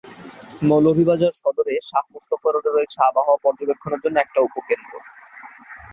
মৌলভীবাজার সদরের শাহ মোস্তফা রোডে রয়েছে আবহাওয়া পর্যবেক্ষণের জন্য একটি উপকেন্দ্র।